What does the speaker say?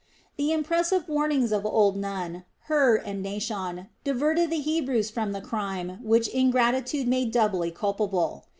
The impressive warnings of old Nun, Hur, and Naashon diverted the Hebrews from the crime which ingratitude made doubly culpable.